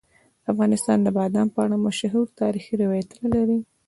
افغانستان د بادام په اړه مشهور تاریخی روایتونه لري.